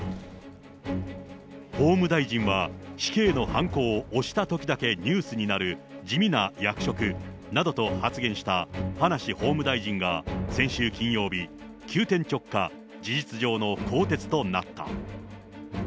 法務大臣は死刑のはんこを押したときだけニュースになる地味な役職などと発言した葉梨法務大臣が、先週金曜日、急転直下、事実上の更迭となった。